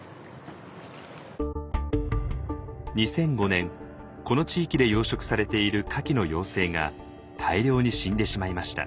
２００５年この地域で養殖されているカキの幼生が大量に死んでしまいました。